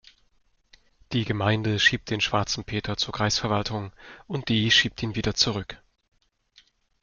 Die Gemeinde schiebt den schwarzen Peter zur Kreisverwaltung und die schiebt ihn wieder zurück.